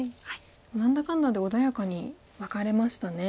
何だかんだで穏やかにワカれましたね。